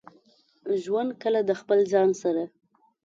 ژوند کله د خپل ځان سره.